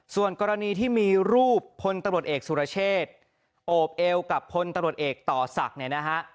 ส่วนกรณีที่มีรูปพลตรวจเอกสุรเชษโอบเอลกับพลตรวจเอกต่อศักดิ์